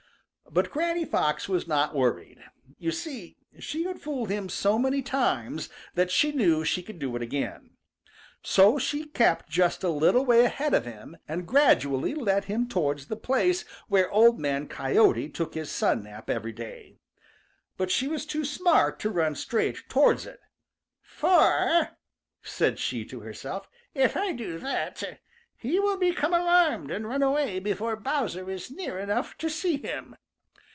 But Granny Fox was not worried. You see, she had fooled him so many times that she knew she could do it again. So she kept just a little way ahead of him and gradually led him towards the place where Old Man Coyote took his sun nap every day. But she was too smart to run straight towards it, "For," said she to herself, "if I do that, he will become alarmed and run away before Bowser is near enough to see him."